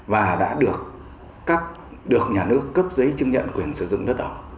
và đã được nhà nước cấp giấy chứng nhận quyền sử dụng đất ở